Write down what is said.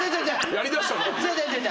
やりだしたから。